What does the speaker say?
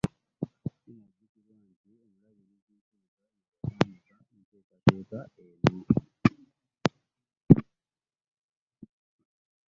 Kinajjukirwa nti omulabirizi Nsubuga ye yatandika enteekateeka eno